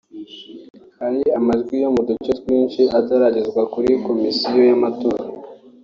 Hari amajwi yo mu duce twinshi ataragezwa kuri Komisiyo y’amatora